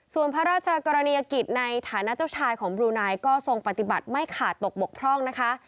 ส่วนพระราชกรณียกิจในฐานะเจ้าชายของบลูนายก็ทรงปฏิบัติไม่ขาดตกบกพร่องนะคะ